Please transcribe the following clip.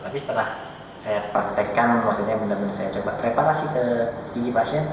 tapi setelah saya praktekkan maksudnya benar benar saya coba preparasi ke diri pasien